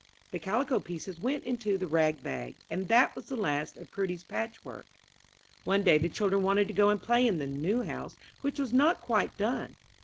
The calico pieces went into the rag bag, and that was the last of Prudy's patchwork. One day the children wanted to go and play in the "new house," which was not quite done.